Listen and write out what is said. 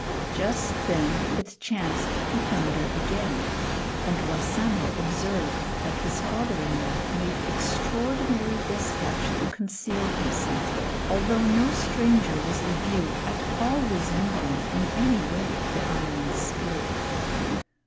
Just then it chanced to thunder again, and Wassamo observed that his father in law made, extraordinary despatch to conceal himself, although no stranger was in view, at all resembling in any way the Island Spirit.